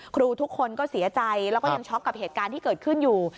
ครูทุกคนก็เสียใจแล้วก็ยังช็อกกับเหตุการณ์ที่เกิดขึ้นอยู่